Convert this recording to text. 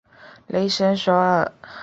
雷神索尔。